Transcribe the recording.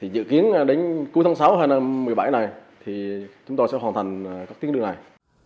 dự kiến đến cuối tháng sáu một mươi bảy này thì chúng tôi sẽ hoàn thành các tuyến đường này